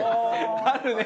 あるね！